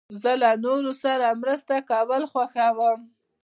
زه له نورو سره مرسته کول خوښوم.